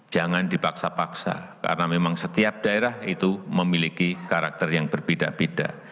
jangan dipaksa paksa karena memang setiap daerah itu memiliki karakter yang berbeda beda